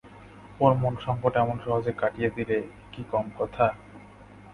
ওর মন সংকট এমন সহজে কাটিয়ে দিলে, এ কি কম কথা!